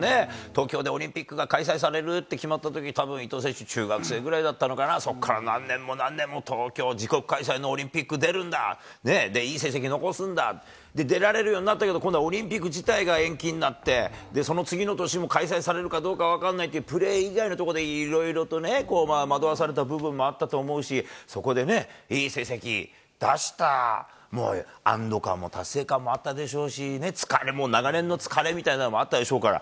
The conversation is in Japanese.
東京でオリンピックが開催されるって決まったとき、たぶん、伊藤選手、中学生ぐらいだったのかな、そこから何年も何年も東京、自国開催のオリンピック出るんだ、いい成績残すんだ、で、出られるようになったけど、今度はオリンピック自体が延期になって、その次の年も開催されるかどうか分かんないっていう、プレー以外のところでいろいろとね、惑わされた部分もあったと思うし、そこでね、いい成績出した、もう安ど感も達成感もあったでしょうし、疲れも、長年の疲れみたいなのもあったでしょうから。